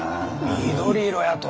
緑色やと？